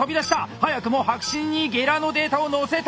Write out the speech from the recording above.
早くも白紙にゲラのデータを載せた！